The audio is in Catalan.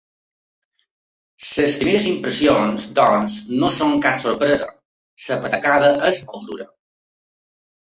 Les primeres impressions, doncs, no són cap sorpresa: la patacada és molt dura.